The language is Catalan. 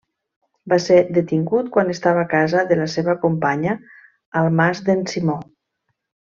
Va ser detingut quan estava a casa de la seva companya, al Mas d’en Simó.